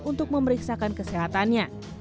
untuk memeriksakan kesehatannya